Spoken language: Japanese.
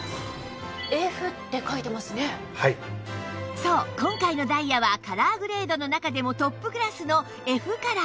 そう今回のダイヤはカラーグレードの中でもトップクラスの Ｆ カラー